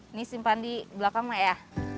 ini simpan di belakangnya ya